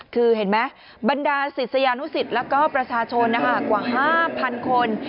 คือเห็นไหมบรรดาศิษยานุสิตแล้วก็ประชาชนกว่า๕๐๐๐คน